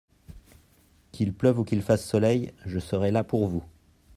Qu’il pleuve ou qu’il fasse soleil, je serai là pour vous.